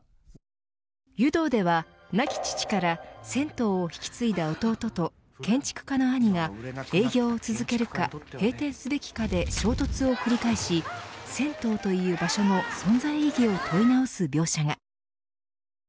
湯道では亡き父から銭湯を引き継いだ弟と建築家の兄が営業を続けるか閉店すべきかで衝突を繰り返し銭湯という場所の存在意義を問い直す描写が。